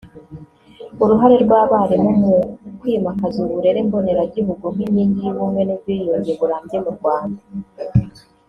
uruhare rw’abarimu mu kwimakaza uburere mboneragihugu nk’inkingi y’ubumwe n’ubwiyunge burambye mu Rwanda